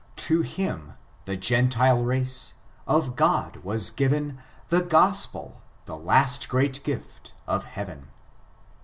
To Aim (the Gentile race), of God, was given The Gotpel — the last great gift of Heaven.